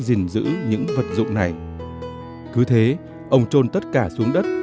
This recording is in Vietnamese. gìn giữ những vật dụng này